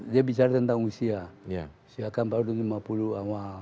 dia bicara tentang usia usia empat ratus lima puluh awal